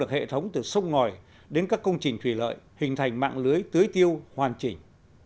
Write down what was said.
hệ thống từ sông ngòi đến các công trình thủy lợi hình thành mạng lưới tưới tiêu hoàn chỉnh